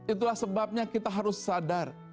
itulah sebabnya kita harus sadar